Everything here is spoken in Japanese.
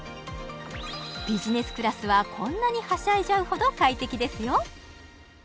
ビジネスクラスはこんなにはしゃいじゃうほど快適ですよ！